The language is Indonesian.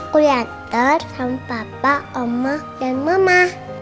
kuliah terhormat sama papa oma dan mama